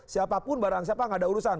siapapun barang siapa nggak ada urusan